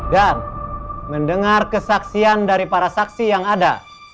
dan mendengar kesaksian dari para saksi yang ada